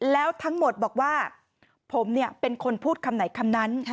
แล้วทั้งหมดบอกว่าผมเป็นคนพูดคำไหนคำนั้น